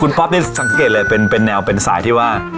ป๊อปนี่สังเกตเลยเป็นแนวเป็นสายที่ว่า